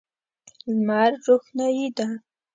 لمر روښنايي ده.